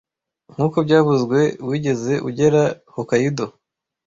Nkuko byavuzwe, wigeze ugera Hokkaido?